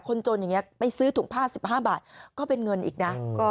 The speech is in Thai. คนจนอย่างนี้ไปซื้อถุงผ้า๑๕บาทก็เป็นเงินอีกนะ